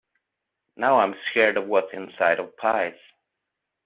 Now, I’m scared of what is inside of pies.